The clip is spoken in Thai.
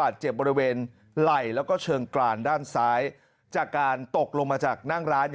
บาดเจ็บบริเวณไหล่แล้วก็เชิงกรานด้านซ้ายจากการตกลงมาจากนั่งร้านเนี่ย